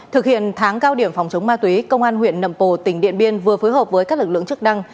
thực hiện tháng cao điểm phòng chống ma túy công an huyện nậm pồ tỉnh điện biên vừa phối hợp với các lực lượng chức năng